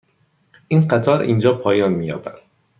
این قطار اینجا پایان می یابد.